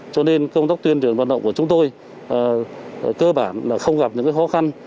cho nên công tác tuyên truyền vận động của chúng tôi cơ bản là không gặp những khó khăn